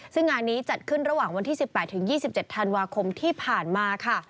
ซึ่งงานนี้จัดขึ้นระหว่างวันที่๑๘๒๗ธันวาคมที่ผ่านมาค่ะ